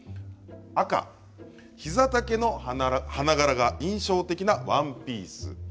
赤・膝丈の花柄が印象的なワンピース。